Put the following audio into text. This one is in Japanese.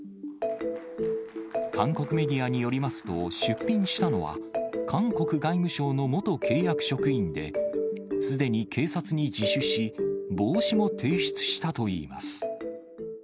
韓国メディアによりますと、出品したのは、韓国外務省の元契約職員で、すでに警察に自首し、帽子も提出したといいます。